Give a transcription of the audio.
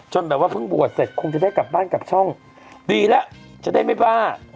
แบบว่าเพิ่งบวชเสร็จคงจะได้กลับบ้านกลับช่องดีแล้วจะได้ไม่บ้า